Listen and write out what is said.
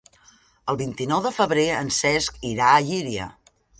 El vint-i-nou de febrer en Cesc irà a Llíria.